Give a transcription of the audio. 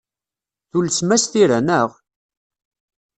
Tulsem-as tira, naɣ?